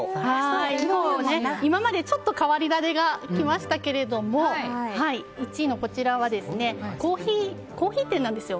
今までちょっと変わり種が来ましたけれども１位のこちらはコーヒー店なんですよ